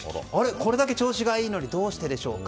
これだけ調子がいいのにどうしてでしょうか？